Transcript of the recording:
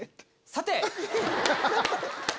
さて！